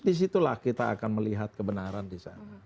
di situlah kita akan melihat kebenaran di sana